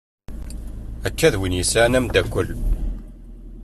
Akka i d win yesɛan amddakel.